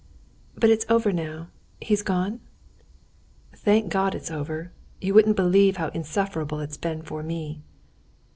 "But it's over now? He is gone?" "Thank God it's over! You wouldn't believe how insufferable it's been for me."